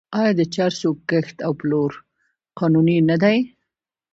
آیا د چرسو کښت او پلور قانوني نه دی؟